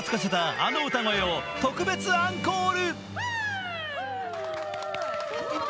あの歌声を特別アンコール。